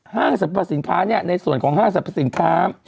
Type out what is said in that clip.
สรรพสินค้าในส่วนของห้างสรรพสินค้า